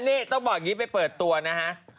นี่ต้องบอกอย่างนี้ไปเปิดตัวนะฮะ